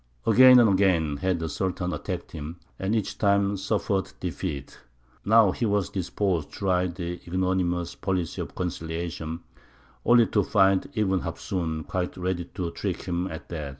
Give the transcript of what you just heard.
Again and again had the Sultan attacked him, and each time suffered defeat; now he was disposed to try the ignominious policy of conciliation, only to find Ibn Hafsūn quite ready to trick him at that.